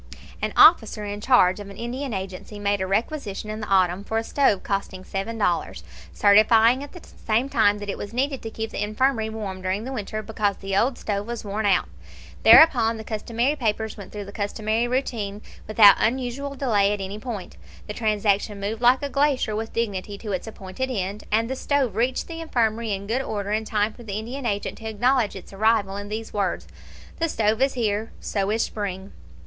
An officer in charge of an Indian agency made a requisition in the autumn for a stove costing seven dollars, certifying at the same time that it was needed to keep the infirmary warm during the winter, because the old stove was worn out. Thereupon the customary papers went through the customary routine, without unusual delay at any point. The transaction moved like a glacier with dignity to its appointed end, and the stove reached the infirmary in good order in time for the Indian agent to acknowledge its arrival in these words: "The stove is here. So is spring."